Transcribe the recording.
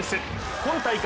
今大会